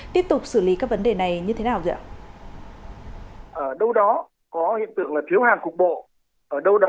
tiếp tục xử lý các vấn đề này như thế nào ạ